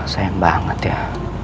sayang banget ya